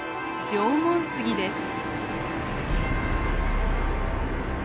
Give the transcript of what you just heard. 「縄文杉」です。